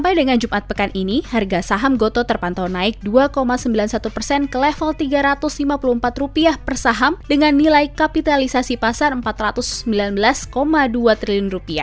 sampai dengan jumat pekan ini harga saham goto terpantau naik rp dua sembilan puluh satu persen ke level rp tiga ratus lima puluh empat per saham dengan nilai kapitalisasi pasar rp empat ratus sembilan belas dua triliun